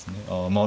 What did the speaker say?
ああ